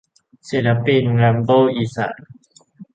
ศิลปิน แรมโบ้อีสาน